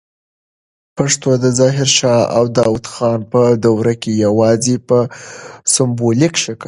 پښتو د ظاهر شاه او داود خان په دوروکي یواځې په سمبولیک شکل